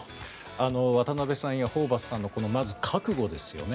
渡邊さんやホーバスさんのまず、覚悟ですよね。